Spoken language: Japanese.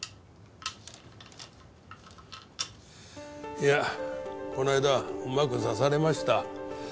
いやこの間はうまく指されました。